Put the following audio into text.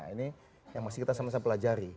ini yang masih kita sama sama pelajari